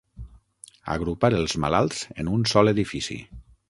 Agrupar els malalts en un sol edifici.